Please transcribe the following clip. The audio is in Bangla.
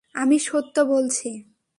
আমি সত্য বলছি।